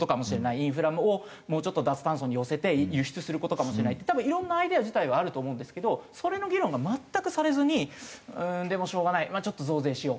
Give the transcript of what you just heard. インフラをもうちょっと脱炭素に寄せて輸出する事かもしれないって多分いろんなアイデア自体はあると思うんですけどそれの議論が全くされずにうーんでもしょうがないちょっと増税しよう。